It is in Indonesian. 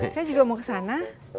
saya juga mau ke sana